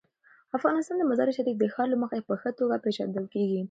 افغانستان د مزارشریف د ښار له مخې په ښه توګه پېژندل کېږي.